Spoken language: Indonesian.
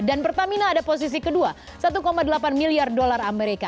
pertamina ada posisi kedua satu delapan miliar dolar amerika